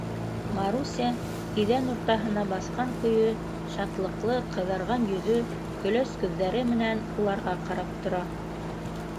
Маруся иҙән уртаһына баҫҡан көйө шатлыҡлы ҡыҙарған йөҙө, көләс күҙҙәре менән уларға ҡарап тора.